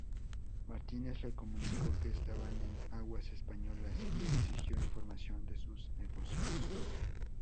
Martínez le comunicó que estaban en "aguas españolas" y exigió información de sus negocios.